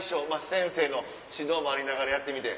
先生の指導もありながらやってみて。